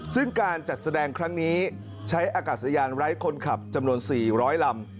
ซึ่งการจัดแสดงครั้งนี้ใช้อากาศยานไร้คนขับจำนวน๔๐๐ลำ